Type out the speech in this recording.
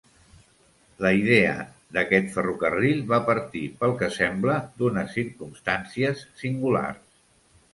La idea d'aquest ferrocarril va partir, pel que sembla, d'unes circumstàncies singulars.